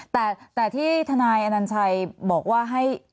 แต่ที่ทนายอนัญชัยบอกว่าให้